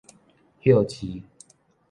歇市